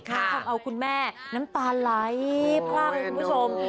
ความเอาคุณแม่น้ำตาไลฟ์ค่ะคุณผู้ชม